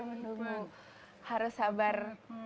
menunggu harus sabar